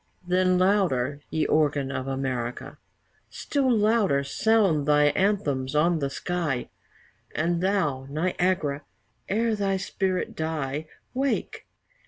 Then louder, ye organ of America, Still louder sound thy anthems on the sky; And thou, Niagara, e'er thy spirit die, Wake!